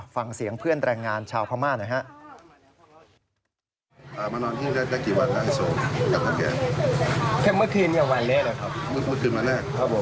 ฟังเสียงเพื่อนแรงงานชาวพม่าหน่อยฮะ